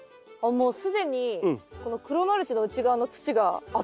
もう既にこの黒マルチの内側の土があったかいです。